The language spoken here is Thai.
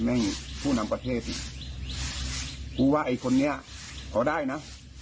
่งผู้นำประเทศกูว่าไอ้คนนี้ขอได้นะ